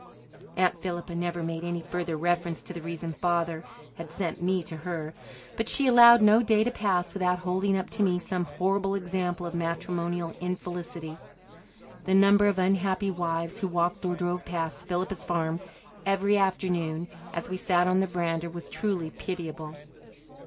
Aunt Philippa never made any further reference to the reason Father had sent me to her, but she allowed no day to pass without holding up to me some horrible example of matrimonial infelicity. The number of unhappy wives who walked or drove past "Philippa's Farm" every afternoon, as we sat on the verandah, was truly pitiable.